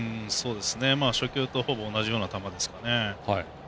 初球とほぼ同じような球ですかね。